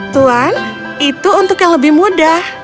tuan itu untuk yang lebih mudah